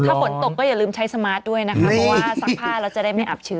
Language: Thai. ถ้าฝนตกก็อย่าลืมใช้สมาร์ทด้วยนะคะเพราะว่าซักผ้าแล้วจะได้ไม่อับชื้น